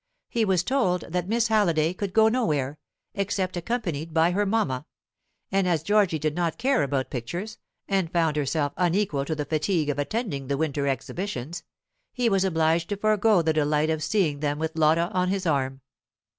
He was told that Miss Halliday could go nowhere, except accompanied by her mamma; and as Georgy did not care about pictures, and found herself unequal to the fatigue of attending the winter exhibitions, he was obliged to forego the delight of seeing them with Lotta on his arm.